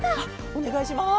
おねがいします。